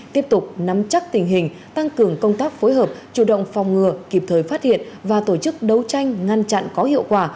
tiếp tục nắm chắc tình hình tăng cường công tác phối hợp chủ động phòng ngừa kịp thời phát hiện và tổ chức đấu tranh ngăn chặn có hiệu quả